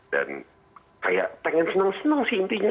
dan kayak pengen seneng seneng sih intinya